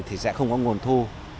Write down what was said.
thì sẽ không có nguồn thu hồi